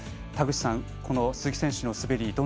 田口さん、鈴木選手の滑り